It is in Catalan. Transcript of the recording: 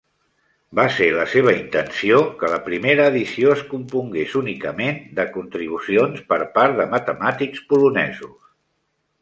Va ser la seva intenció que la primera edició es compongués únicament de contribucions per part de matemàtics polonesos.